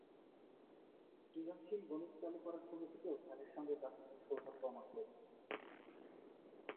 সৃজনশীল গণিত চালু করার কমিটিতেও স্যারের সঙ্গে কাজ করার সৌভাগ্য আমার হয়েছে।